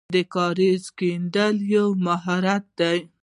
د کاریز کیندل یو مهارت دی.